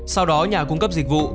sau đó nhà cung cấp dịch vụ